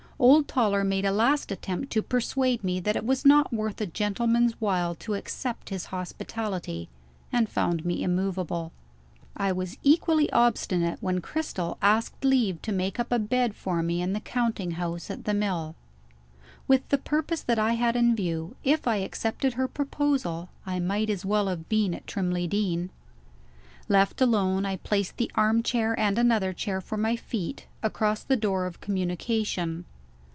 Old Toller made a last attempt to persuade me that it was not worth a gentleman's while to accept his hospitality, and found me immovable. I was equally obstinate when Cristel asked leave to make up a bed for me in the counting house at the mill. With the purpose that I had in view, if I accepted her proposal I might as well have been at Trimley Deen. Left alone, I placed the armchair and another chair for my feet, across the door of communication.